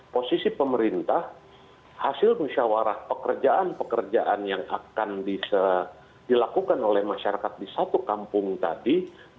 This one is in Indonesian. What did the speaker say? posisi pemerintah hasil musyawarah pekerjaan pekerjaan yang akan dilakukan oleh masyarakat di satu kampung tadi